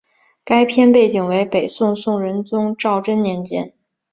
该片背景为北宋宋仁宗赵祯年间。